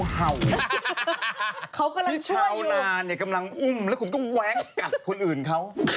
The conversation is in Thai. เขากำลังช่วยอยู่ที่ชาวนาเนี่ยกำลังอุ้มแล้วคุณต้องแว๊กกัดคนอื่นเขา